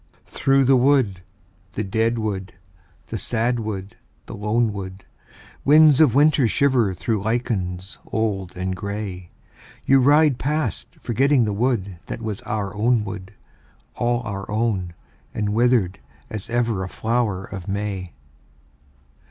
Through the wood, the dead wood, the sad wood, the lone wood, Winds of winter shiver through lichens old and grey, You ride past forgetting the wood that was our own wood, All our own and withered as ever a flower of May.